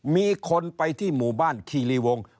มีคนไปที่หมู่บ้านคีรีวง